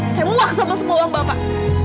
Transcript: saya muak sama semua uang bapak